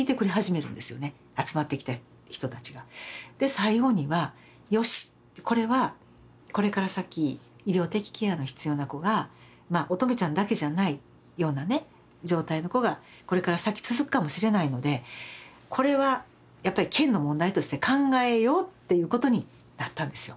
最後にはよしこれはこれから先医療的ケアの必要な子がまあ音十愛ちゃんだけじゃないようなね状態の子がこれから先続くかもしれないのでこれはやっぱり県の問題として考えようっていうことになったんですよ。